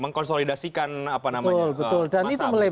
mengkonsolidasikan masalah itu